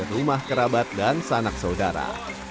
rumah kerabat dan sanak saudara